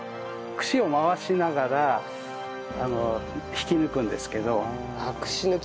串を回しながら引き抜くんですけど。